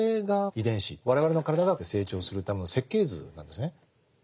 我々の体が成長するための設計図なんですね。